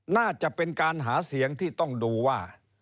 น่าจะเป็นการหาเสียงที่ต้องดูว่า